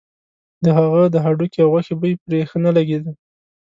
د هغه د هډوکي او غوښې بوی پرې ښه نه لګېده.